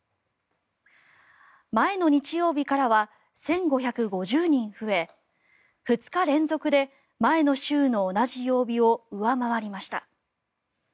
前の日曜日からは１５５０人増え２日連続で前の週の同じ曜日を上回りました。